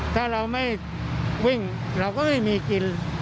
ถ้าเราไม่วิ่งเราก็ไม่มีกิน